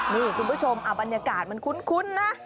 นี่คุณผู้ชมบรรยากาศมันคุ้นนะ